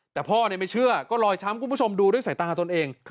แต่พ่อไม่เชื่อก็ลอยช้ำคุณผู้ชมดูด้วยสายตาตนเอง